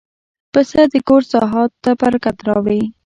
پسه د کور ساحت ته برکت راوړي.